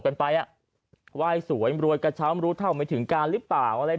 กันไปว่าให้สวยมรวยกับเช้าไม่รู้เท่าไม่ถึงการหรือเปล่าอะไร